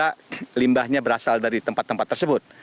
karena limbahnya berasal dari tempat tempat tersebut